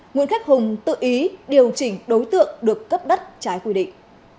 nguyễn khắc hùng tự ý điều chỉnh đối tượng được cấp đất trái quy định